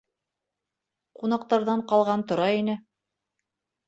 Ҡунаҡтарҙан ҡалған тора ине.